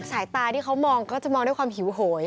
สายตาที่เขามองก็จะมองด้วยความหิวโหย